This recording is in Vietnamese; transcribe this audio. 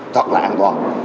thật là an toàn